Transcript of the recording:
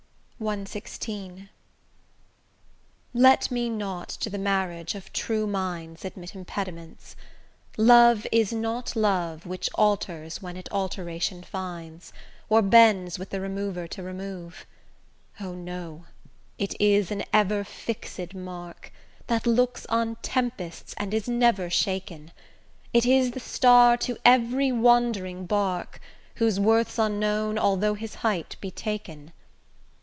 CXVI Let me not to the marriage of true minds Admit impediments. Love is not love Which alters when it alteration finds, Or bends with the remover to remove: O, no! it is an ever fixed mark, That looks on tempests and is never shaken; It is the star to every wandering bark, Whose worth's unknown, although his height be taken.